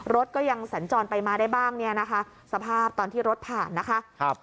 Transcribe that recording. รถก็ยังสัญจรไปมาได้บ้างสภาพตอนที่รถผ่านนะคะ